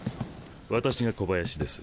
私が小林です。